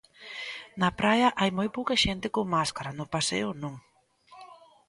Na praia hai moi pouca xente con máscara, no paseo non.